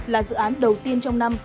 là dự án đầu tiên trong năm